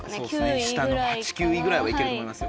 下の８９位ぐらいは行けると思いますよ。